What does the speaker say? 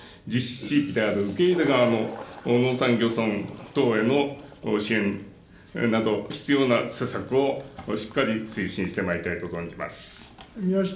地域である受け入れ側の農山漁村等への支援など、必要な施策をしっかり推進してまいりたいと存じます。